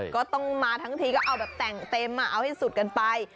ก็ต้องมาทั้งทีก็เอาแบบแต่งเต็มเอาให้สุดกันไป